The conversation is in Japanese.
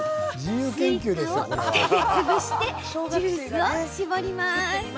スイカを手で潰してジュースを搾ります。